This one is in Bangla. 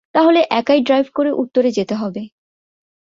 তাহলে একাই ড্রাইভ করে উত্তরে যেতে হবে।